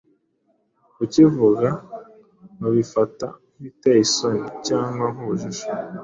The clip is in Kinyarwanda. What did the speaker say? kukivuga babifata nk’ibiteye isoni cg nk’ubujiji.